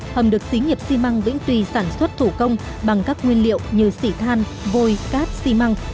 hầm được xí nghiệp xi măng vĩnh tuy sản xuất thủ công bằng các nguyên liệu như sỉ than vôi cát xi măng